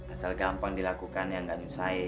asal gampang dilakukan yang gak nyusahin